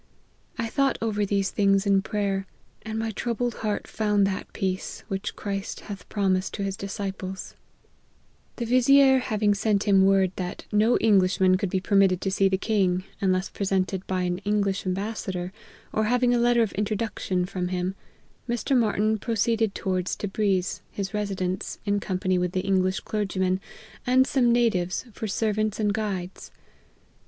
I thought over these things in prayer, and my troubled heart found that peace which Christ hath promised to his disciples." 166 LIFE OF HENRY MARTYN. The vizier having sent him word that no English man could be permitted to see the king, unless pre sented by the English ^ambassador, or having a letter of introduction from him, Mr. Martyn pro ceeded towards Tebriz, his residence, in company with the English clergyman, and some natives for servants and guides.